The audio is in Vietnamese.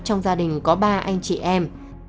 trong gia đình có ba anh chị em